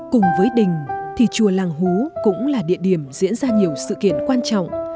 cùng với đình thì chùa làng hú cũng là địa điểm diễn ra nhiều sự kiện quan trọng